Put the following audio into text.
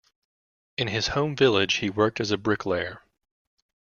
In his home village, he worked as a bricklayer.